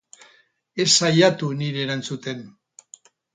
Ez saiatu niri erantzuten.